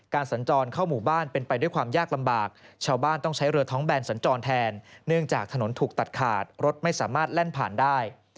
สัญจรเข้าหมู่บ้านเป็นไปด้วยความยากลำบากชาวบ้านต้องใช้เรือท้องแบนสัญจรแทนเนื่องจากถนนถูกตัดขาดรถไม่สามารถแล่นผ่านได้